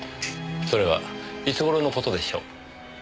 それはいつ頃の事でしょう？